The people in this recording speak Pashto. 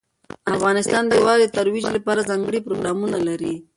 افغانستان د واورې د ترویج لپاره ځانګړي پروګرامونه لري.